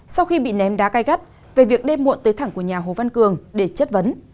sau khi bị ném đá gai gắt về việc đêm muộn tới thẳng của nhà hồ văn cường để chất vấn